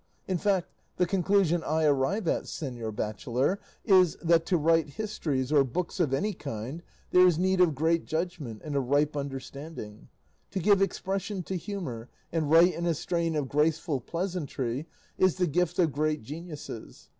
In fact, the conclusion I arrive at, señor bachelor, is, that to write histories, or books of any kind, there is need of great judgment and a ripe understanding. To give expression to humour, and write in a strain of graceful pleasantry, is the gift of great geniuses.